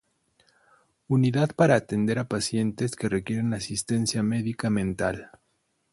Unidad para atender a pacientes que requieren asistencia medica mental.